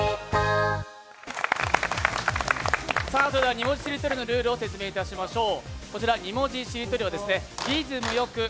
それでは２文字しりとりのルールを説明いたしましょう。